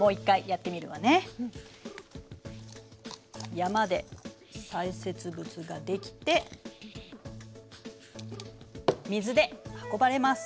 山で砕屑物ができて水で運ばれます。